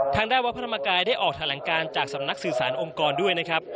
วัดพระธรรมกายได้ออกแถลงการจากสำนักสื่อสารองค์กรด้วยนะครับ